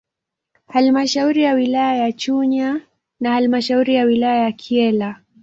Halmashauri ya wilaya ya Chunya na halmashauri ya wilaya ya Kyela